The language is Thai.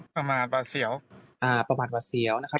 ประมาณหวัดเซียว